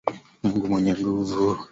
Mungu mwenye nguvu.